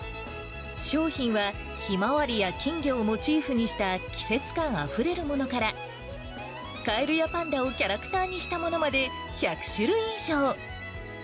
商品は、ひまわりや金魚をモチーフにした季節感あふれるものから、カエルやパンダをキャラクターにしたものまで１００種類以上。